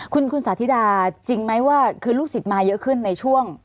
คุณสาธิดาจริงไหมว่าคือลูกศิษย์มาเยอะขึ้นในช่วง